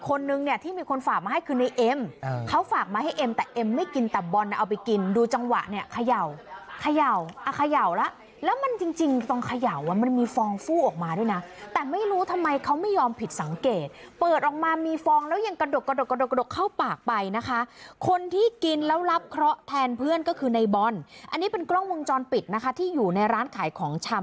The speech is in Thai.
คนนึงเนี่ยที่มีคนฝากมาให้คือในเอ็มเขาฝากมาให้เอ็มแต่เอ็มไม่กินแต่บอลน่ะเอาไปกินดูจังหวะเนี่ยเขย่าเขย่าอ่ะเขย่าแล้วแล้วมันจริงจริงตรงเขย่าอ่ะมันมีฟองฟู้ออกมาด้วยนะแต่ไม่รู้ทำไมเขาไม่ยอมผิดสังเกตเปิดออกมามีฟองแล้วยังกระดกกระดกกระดกกระดกเข้าปากไปนะคะคนที่กินแล้วรับเคราะห์แทนเพื่อนก็คือในบอลอันนี้เป็นกล้องวงจรปิดนะคะที่อยู่ในร้านขายของชำ